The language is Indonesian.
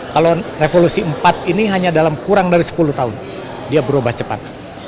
kalau revolusi empat ini hanya dalam kurang dari sepuluh tahun dia berubah cepat